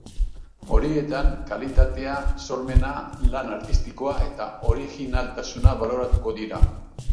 Horietan, kalitatea, sormena, lan artistikoa eta originaltasuna baloratuko dira.